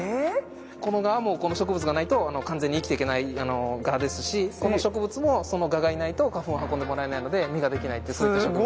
この蛾もこの植物がないと完全に生きていけない蛾ですしこの植物もその蛾がいないと花粉を運んでもらえないので実ができないってそういった植物です。